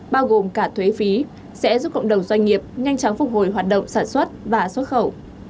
bao gồm cả thuế phí sẽ giúp cộng đồng doanh nghiệp nhanh chóng phục hồi hoạt động sản xuất và xuất khẩu